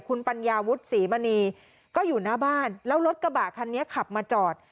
คุณปัญญาวุฒิศรีมณีก็อยู่หน้าบ้านแล้วรถกระบะคันนี้ขับมาจอด